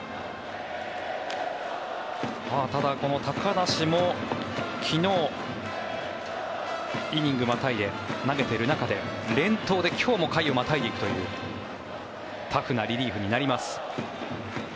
ただ、高梨も昨日、イニングをまたいで投げてる中で、連投で今日も回をまたいでいくというタフなリリーフになります。